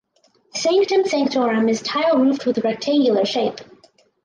The Sanctum Sanctorum is tile roofed with rectangular shape.